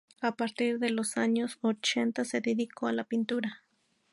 A partir de los años ochenta se dedicó a la pintura.